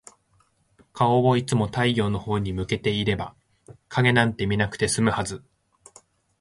顔をいつも太陽のほうに向けていれば、影なんて見なくて済むはず。